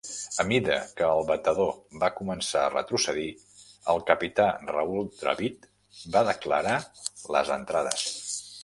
A mida que el batedor va començar a retrocedir, el capità Rahul Dravid va declarar les entrades.